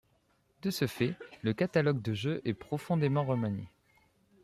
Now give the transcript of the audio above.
De ce fait, le catalogue de jeux est profondément remanié.